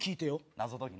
謎解きね。